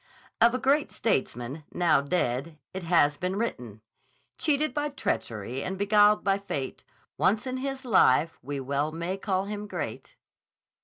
Of a great statesman, now dead, it has been written: Cheated by treachery and beguiled by Fate, Once in his life we well may call him great.